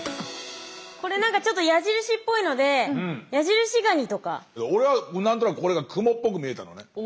これなんかちょっと矢印っぽいので俺は何となくこれがクモっぽく見えたのね。